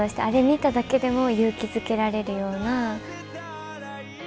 見ただけでも勇気づけられるような。